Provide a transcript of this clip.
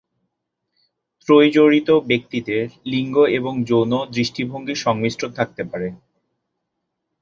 ত্রয়ী জড়িত ব্যক্তিদের লিঙ্গ এবং যৌন দৃষ্টিভঙ্গির সংমিশ্রণ থাকতে পারে।